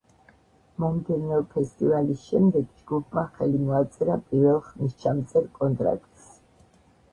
მომდევნო ფესტივალის შემდეგ, ჯგუფმა ხელი მოაწერა პირველ ხმისჩამწერ კონტრაქტს.